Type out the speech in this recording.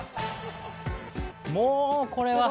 もうこれは。